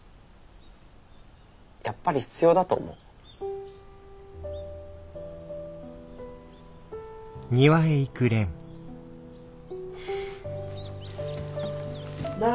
やっぱり必要だと思う。なあ？